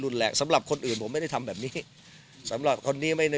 แหละสำหรับคนอื่นผมไม่ได้ทำแบบนี้สำหรับคนนี้ไม่ได้